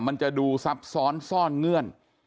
มันจะดูซับซ้อนซ่อนเงื่อน